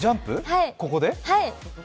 ここで？